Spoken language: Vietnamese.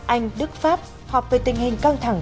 anh đức pháp hợp với tình hình căng thẳng